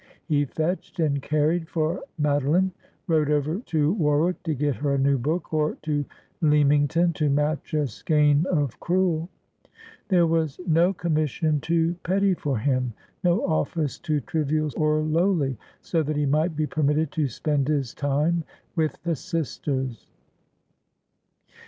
He fetched and carried for Madoline, rode over to Warwick to get her a new book, or to Leamington to match a skein of crewel. There was no commission too petty for him, no ofiice too trivial or lowly, so that he might be permitted to spend his time with the sisters.